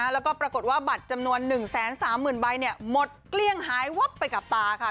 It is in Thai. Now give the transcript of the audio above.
แล้วก็ปรากฏว่าบัตรจำนวน๑๓๐๐๐ใบหมดเกลี้ยงหายวับไปกับตาค่ะ